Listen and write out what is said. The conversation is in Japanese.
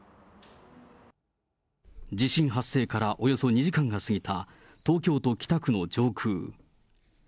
地震発生からおよそ２時間が過ぎた東京都北区の上空。